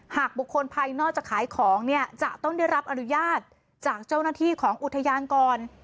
หากบุคคลภายนอกจะขายของเนี่ยจะต้องได้รับอนุญาตจากเจ้าหน้าที่ของอุทยานก่อน